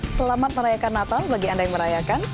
selamat merayakan natal bagi anda yang merayakan